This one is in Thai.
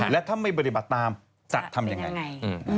และถ้าไม่ปฏิบัติตามจะทำยังไง